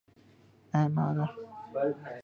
ایمارا